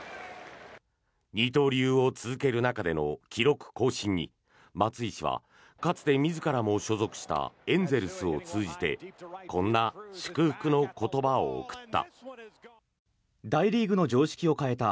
二刀流を続ける中での記録更新に松井氏は、かつて自らも所属したエンゼルスを通じてこんな祝福の言葉を送った。